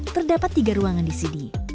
terdapat tiga ruangan di sini